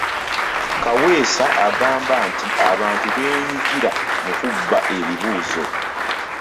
Kaweesa agamba nti abantu beenyigira mu kubba ebibuuzo.